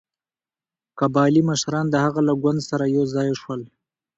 قبایلي مشران د هغه له ګوند سره یو ځای شول.